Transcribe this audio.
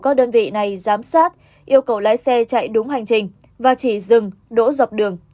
các đơn vị này giám sát yêu cầu lái xe chạy đúng hành trình và chỉ dừng đỗ dọc đường